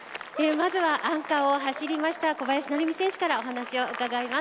まずはアンカーを走りました小林成美選手からお話を伺います。